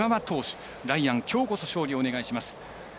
ライアン、きょうこそ勝利、お願いします！